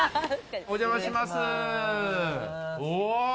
お邪魔します。